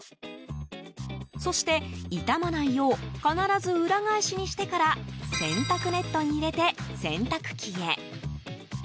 そして痛まないよう必ず裏返しにしてから洗濯ネットに入れて、洗濯機へ。